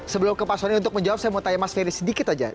sebelum ke pak soni untuk menjawab saya mau tanya mas ferry sedikit aja